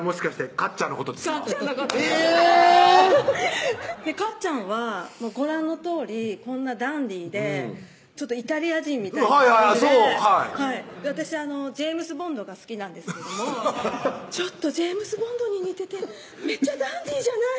かっちゃんのことですかっちゃんはご覧のとおりこんなダンディーでちょっとイタリア人みたいなはいはいそう私ジェームズ・ボンドが好きなんですけどもちょっとジェームズ・ボンドに似ててめっちゃダンディーじゃない？